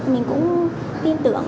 mình cũng tin tưởng